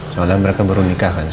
soalnya mereka baru nikah kan